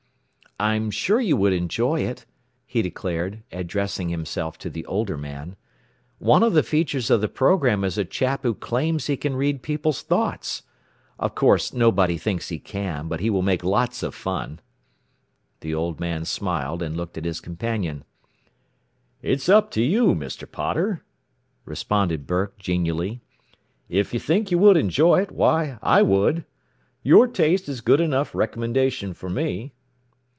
"I'm sure you would enjoy it," he declared, addressing himself to the older man. "One of the features of the program is a chap who claims he can read people's thoughts. Of course nobody thinks he can, but he will make lots of fun." The old man smiled, and looked at his companion. "It is up to you, Mr. Potter," responded Burke genially. "If you think you would enjoy it, why, I would. Your taste is good enough recommendation for me."